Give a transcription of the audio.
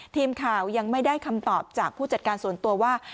ทีมข่าวยังไม่ได้คำตอบจากผู้จัดการส่วนตัวว่า